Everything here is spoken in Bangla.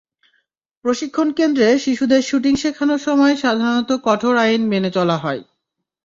প্রশিক্ষণকেন্দ্রে শিশুদের শ্যুটিং শেখানোর সময় সাধারণত কঠোর আইন মেনে চলা হয়।